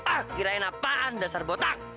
ah kirain apaan dasar botak